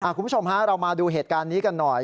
คุณผู้ชมฮะเรามาดูเหตุการณ์นี้กันหน่อย